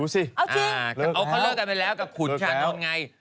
เอาเขาเลิกกันไปแล้วกับขุนใช่ไหม